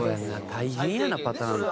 大変やなパターンって。